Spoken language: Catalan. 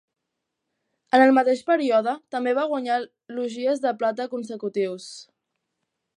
En el mateix període, també va guanyar Logies de plata consecutius.